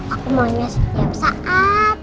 aku mainnya setiap saat